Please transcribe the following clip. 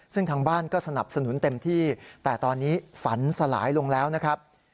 ซึ่งทางบ้านก็สนับสนุนเต็มที่แต่ตอนนี้ฝันสลายลงแล้วนะครับ